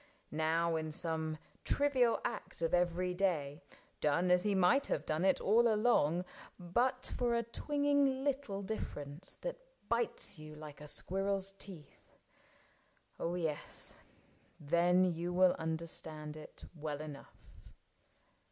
Now in some trivial act of every day. Done as he might have done it all along But for a twinging little difference That bites you like a squirrel's teeth — oh, yes, Then you will understand it well enough.